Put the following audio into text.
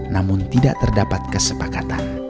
namun tidak terdapat kesepakatan